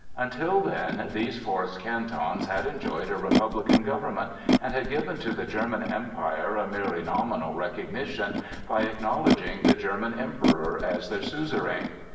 Until then these Forest Cantons had enjoyed a republican government, and had given to the German Empire a merely nominal recognition, by acknowledging the German Emperor as their suzerain.